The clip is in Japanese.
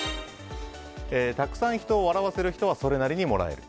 たくさん人を笑わせる人はそれなりにもらえる。